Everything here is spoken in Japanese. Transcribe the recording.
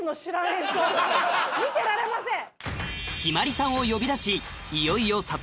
見てられません！